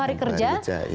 enam puluh hari kerja iya